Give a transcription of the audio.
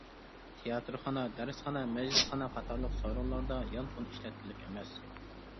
تىياتىرخانا، دەرسخانا، مەجلىسخانا قاتارلىق سورۇنلاردا يانفون ئىشلەتكۈلۈك ئەمەس.